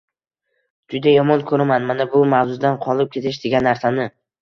Juda yomon ko‘raman mana shu "Mavzudan qolib ketish" degan narsani.